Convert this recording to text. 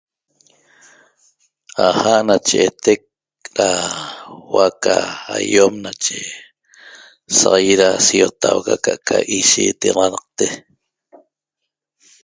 'Aja' nache eetec ra huo'o aca aiom nache saq ýit da siotauaga aca'aca ishiitenaxanaqte